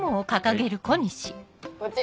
こっち。